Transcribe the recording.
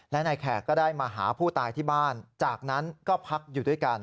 และนายแขกก็ได้มาหาผู้ตายที่บ้านจากนั้นก็พักอยู่ด้วยกัน